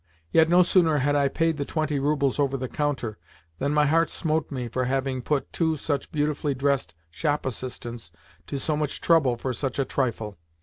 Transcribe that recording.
Yet no sooner had I paid the twenty roubles over the counter than my heart smote me for having put two such beautifully dressed shop assistants to so much trouble for such a trifle.